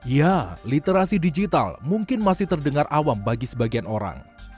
ya literasi digital mungkin masih terdengar awam bagi sebagian orang